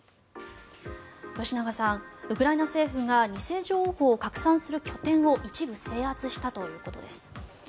吉永さん、ウクライナ政府が偽情報を拡散する拠点を一部制圧したということです。